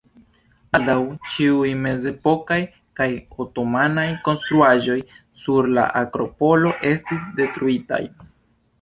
Baldaŭ ĉiuj mezepokaj kaj otomanaj konstruaĵoj sur la Akropolo estis detruitaj.